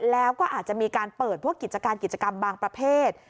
แล้วก็อาจจะมีการเปิดพวกกิจการกิจกรรมบางประเภท